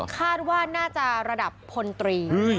คาดว่าน่าจะระดับพลตรี